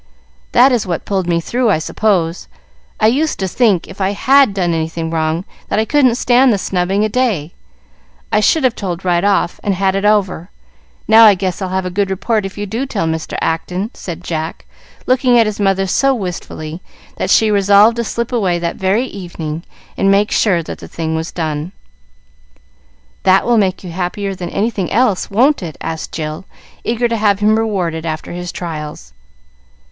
"That is what pulled me through, I suppose. I used to think if I had done anything wrong, that I couldn't stand the snubbing a day. I should have told right off, and had it over. Now, I guess I'll have a good report if you do tell Mr. Acton," said Jack, looking at his mother so wistfully, that she resolved to slip away that very evening, and make sure that the thing was done. "That will make you happier than anything else, won't it?" asked Jill, eager to have him rewarded after his trials.